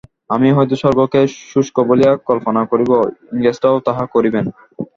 আমি হয়তো স্বর্গকে শুষ্ক বলিয়া কল্পনা করিব, ইংরেজরাও তাহাই করিবেন।